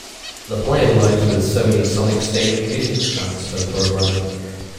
The player works with Sony's SonicStage music transfer program.